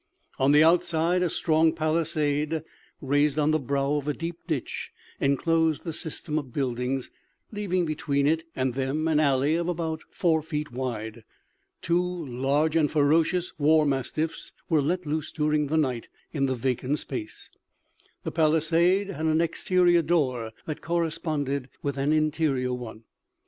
On the outside, a strong palisade, raised on the brow of a deep ditch, enclosed the system of buildings, leaving between it and them an alley about four feet wide. Two large and ferocious war mastiffs were let loose during the night in the vacant space. The palisade had an exterior door that corresponded with an interior one.